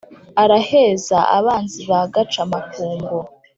Araheza abanzi ba Gaca-makungu.